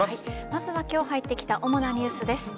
まずは今日入ってきた主なニュースです。